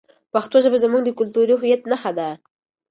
پښتو ژبه زموږ د کلتوري هویت نښه ده.